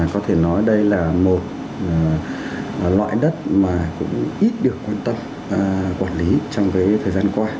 có thể nói đây là một loại đất mà cũng ít được quan tâm quản lý trong thời gian qua